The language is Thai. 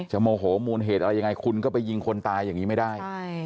โมโหมูลเหตุอะไรยังไงคุณก็ไปยิงคนตายอย่างนี้ไม่ได้